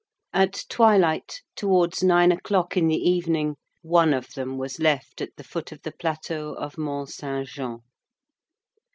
At twilight, towards nine o'clock in the evening, one of them was left at the foot of the plateau of Mont Saint Jean.